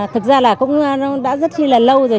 thực ra là cũng đã rất là lâu rồi